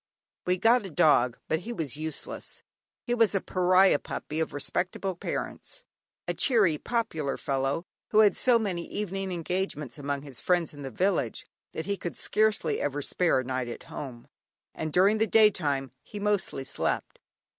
We got a dog, but he was useless. He was a pariah puppy, of respectable parents; a cheery, popular fellow, who had so many evening engagements among his friends in the village, that he could scarcely ever spare a night at home; and during the day time he mostly slept.